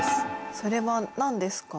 それは何ですか？